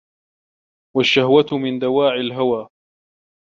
وَالشَّهْوَةَ مِنْ دَوَاعِي الْهَوَى